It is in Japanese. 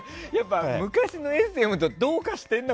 昔のエッセー読むとどうかしてるね